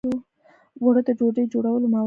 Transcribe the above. اوړه د ډوډۍ جوړولو مواد دي